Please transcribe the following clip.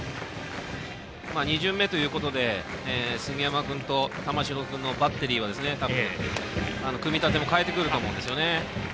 ２巡目ということで杉山君と玉城君のバッテリーは組み立ても変えてくると思います。